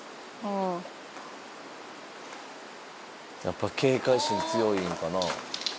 やっぱ警戒心強いんかな？